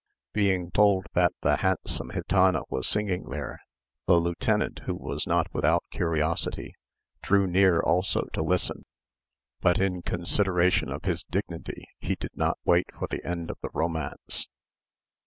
Being told that the handsome gitana was singing there, the lieutenant, who was not without curiosity, drew near also to listen, but in consideration of his dignity, he did not wait for the end of the romance.